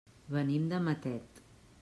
Venim de Matet.